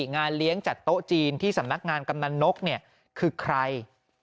งานเลี้ยงจัดโต๊ะจีนที่สำนักงานกำนันนกคือใคร